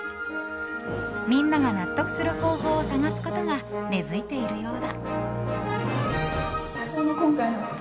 みんなが納得する方法を探すことが根付いているようだ。